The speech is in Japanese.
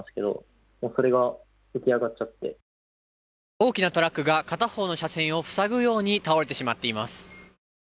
大きなトラックが片方の車線を塞ぐように倒れてしまっています。